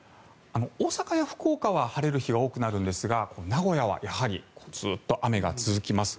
大阪や福岡は晴れる日が多くなるんですが名古屋はずっと雨が続きます。